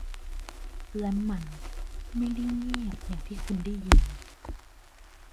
และมันไม่ได้เงียบอย่างที่คุณได้ยิน